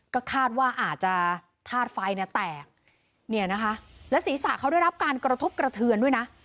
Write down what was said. ก็คาดว่าอาจจะธาตุไฟเนี่ยแตกเนี่ยนะคะและศีรษะเขาได้รับการกระทบกระเทือนด้วยนะ